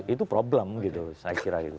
itu problem saya kira